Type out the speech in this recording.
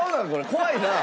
怖いな！